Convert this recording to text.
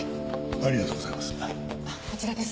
ありがとうございます。